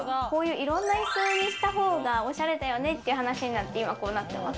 いろんな椅子にした方がおしゃれだよねっていう話になって、今こうなってます。